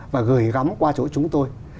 và gửi gắm qua chỗ chúng tôi